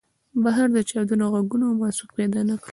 بهر د چاودنو غږونه وو او ما څوک پیدا نه کړل